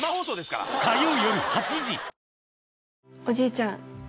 おじいちゃん。